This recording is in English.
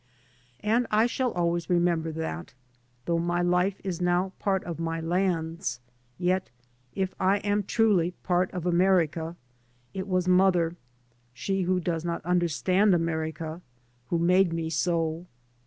And I shall always remember that, though my life is now part of my land's, yet, if I am truly part of America, it was mother, she who docs not understand America, who made me so.